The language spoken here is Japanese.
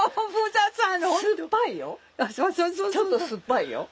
ちょっと酸っぱいよ。